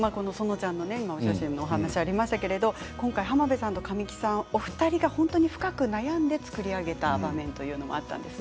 園ちゃんのお話もありましたけど浜辺さんの神木さんとお二人が本当に深く悩んで作り上げた場面というのがあったんです。